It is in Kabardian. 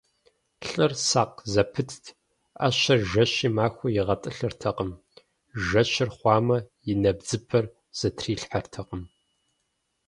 Лӏыр сакъ зэпытт: ӏэщэр жэщи махуи игъэтӏылъыртэкъым, жэщыр хъуамэ, и нэбдзыпэ зэтрилъхьэртэкъым.